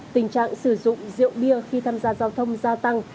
tình trạng sử dụng rượu bia khi tham gia giao thông gia tăng